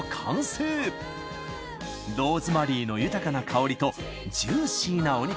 ローズマリーの豊かな香りとジューシーなお肉。